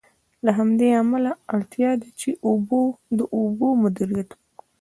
له همدې امله، اړتیا ده چې د اوبو د مدیریت.